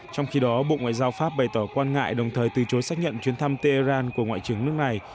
trong khi đó bộ ngoại giao pháp bày tỏ quan ngại đồng thời từ chối xác nhận chuyến thăm tehran của ngoại trưởng nước này